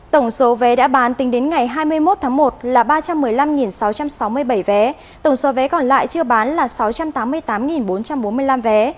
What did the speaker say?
tổng số vé đã bán tính đến ngày hai mươi một tháng một là ba trăm một mươi năm sáu trăm sáu mươi bảy vé tổng số vé còn lại chưa bán là sáu trăm tám mươi tám bốn trăm bốn mươi năm vé